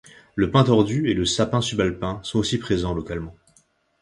Le pin tordu et le sapin subalpin sont aussi présents localement.